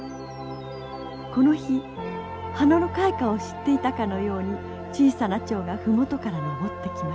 この日花の開花を知っていたかのように小さなチョウが麓から登ってきました。